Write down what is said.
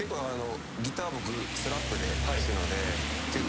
ギター僕スラップで弾くので結構。